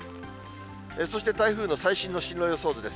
そして台風の最新の進路予想図です。